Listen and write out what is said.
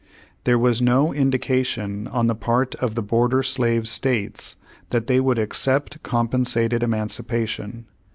There was no indica tion on the part of the border slave states that they would accept compensated emancipation.